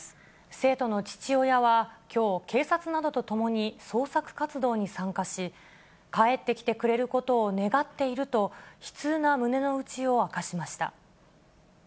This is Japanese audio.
生徒の父親は、きょう、警察などと共に捜索活動に参加し、帰ってきてくれることを願っていると、悲痛な胸の内を明かしました。